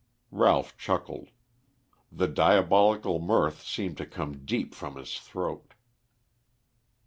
Ralph chuckled. The diabolical mirth seemed to come deep from his throat.